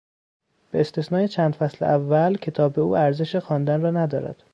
به استثنای چند فصل اول کتاب او ارزش خواندن را ندارد.